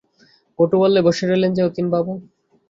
বটু বললে, বসে রইলেন যে অতীনবাবু?